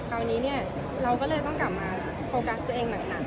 คราวนี้เราก็เลยต้องกลับมาพูกกักกันซึ่งอีกหนัก